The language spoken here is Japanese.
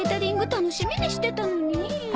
楽しみにしてたのに。